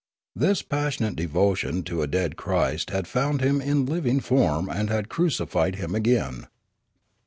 This passionate devotion to a dead Christ had found Him in living form and had crucified Him again.